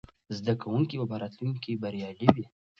زده کوونکي به راتلونکې کې بریالي وي.